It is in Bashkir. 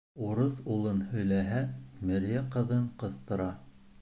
Урыҫ улын һөйләһә, мәрйә ҡыҙын ҡыҫтыра.